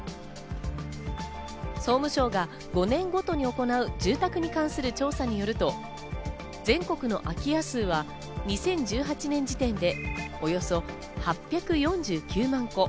総務省が５年ごとに行う住宅に関する調査によると、全国の空き家数は２０１８年時点でおよそ８４９万戸。